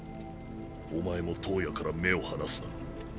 おまえも燈矢から目を離すな。